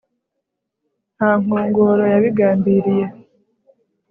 Nta nkongoro yabigambiriye